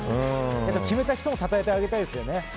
決めた人もたたえてあげたいですよね。